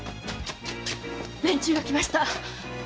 連中が来ました。